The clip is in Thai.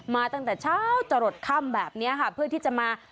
มาตั้งแต่เช้าจะหลดค่ำแบบนี้ค่ะเพื่อที่จะมา